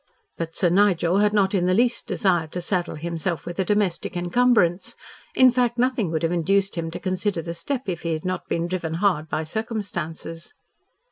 But Sir Nigel had not in the least desired to saddle himself with a domestic encumbrance, in fact nothing would have induced him to consider the step if he had not been driven hard by circumstances.